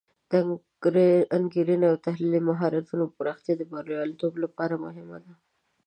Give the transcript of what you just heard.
د انګیرنې او تحلیلي مهارتونو پراختیا د بریالیتوب لپاره مهمه ده.